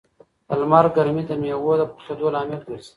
د لمر ګرمي د مېوو د پخېدو لامل ګرځي.